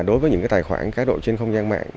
đối với những tài khoản các đội trên không gian mạng